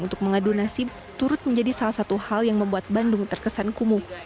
untuk mengadu nasib turut menjadi salah satu hal yang membuat bandung terkesan kumuh